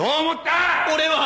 俺は！